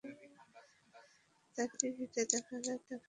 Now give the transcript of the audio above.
তাঁর টিকিটে দেখা যায়, তাঁকে ঢাকা থেকে পঞ্চগড় পর্যন্ত টিকিট দেওয়া হয়েছে।